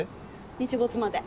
日没まで。